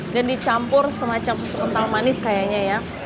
dan dicampur semacam susu kental manis kayaknya ya